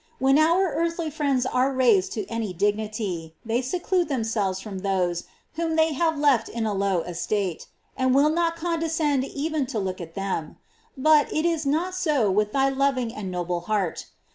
When our earthly friends are raised to any dignity, they seclude themselves from those whom they have left in a low estate, and will not condescend even to look at them. But it is not so with thy loving and noble heart.